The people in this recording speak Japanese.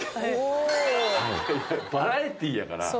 バラエティーやから。